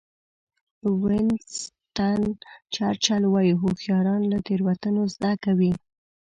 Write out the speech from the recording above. وینسټن چرچل وایي هوښیاران له تېروتنو زده کوي.